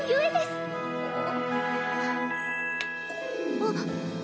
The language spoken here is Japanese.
あっ。